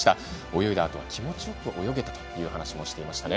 泳いだあとは気持ちよく泳げたという話をしていましたね。